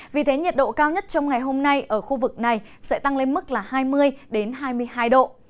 vì thế nhiệt độ cao nhất trong ngày hôm nay ở khu vực này sẽ tăng lên mức là hai mươi hai mươi hai độ